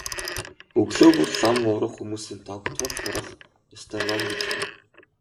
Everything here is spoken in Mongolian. Өглөө бүр лам хувраг хүмүүсийн тогтмол хурах ёстой ном гэж байна.